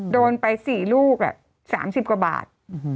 โดนไป๔ลูก๓๐กว่าบาท